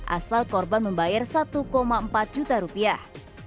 asal korban membayar satu empat juta rupiah